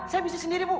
saya bisa sendiri bu